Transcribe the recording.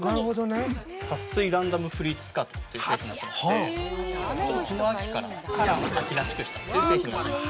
◆撥水ランダムプリーツスカートという商品になってまして、この秋から、カラーを秋らしくしたという製品になります。